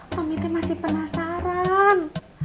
mami teh masih penasaran